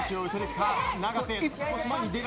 いきます。